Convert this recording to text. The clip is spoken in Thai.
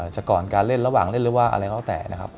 จากก่อนการเล่นระหว่างเล่นหรือว่าอะไรของเนี้ย